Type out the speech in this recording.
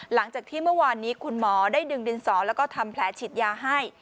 หลังจากที่เมื่อวานนี้คุณหมอได้ดึงดินสอแล้วก็ทำแผลฉีดยาให้